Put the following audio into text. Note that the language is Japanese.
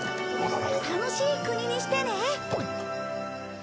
楽しい国にしてね！